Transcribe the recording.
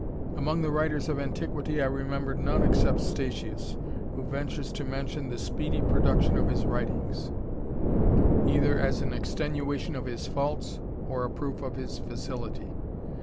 Among the writers of antiquity I remember none except ' itatitis who ventures to mention the speedy production of Elfs wridngs, either as an extenuation of his faults, or a proof if his facility.